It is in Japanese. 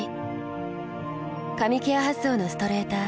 髪ケア発想のストレーター。